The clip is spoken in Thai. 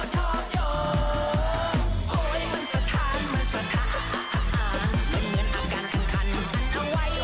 ใจจะวายใจจะว่า